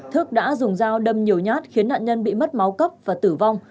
thức đã dùng dao đâm nhiều nhát khiến nạn nhân bị mất máu cấp và tử vong